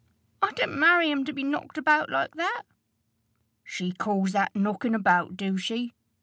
"I didn't marry him to be knocked about like that." "She calls that knocking about, do she?"